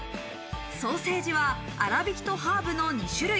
ソーセージは、あらびきとハーブの２種類。